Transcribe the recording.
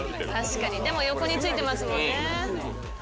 確かにでも横についてますもんね。